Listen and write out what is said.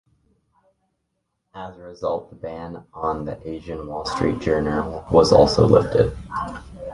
As a result, the ban on the "Asian Wall Street Journal" was also lifted.